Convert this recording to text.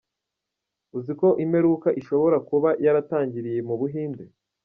Uzi ko imperuka ishobora kuba yaratangiriye mu Buhinde?.